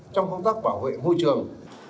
trong công tác bảo vệ môi trường